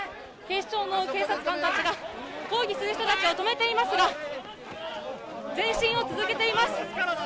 警視庁の警察官たちが、抗議する人たちを止めていますが、前進を続けています。